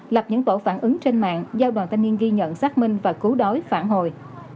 lập những tổ phản ứng trên mạng do đoàn thanh niên ghi nhận xác minh và cứu đói phản hồi